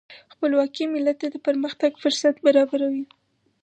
خپلواکي ملت ته د پرمختګ فرصت برابروي.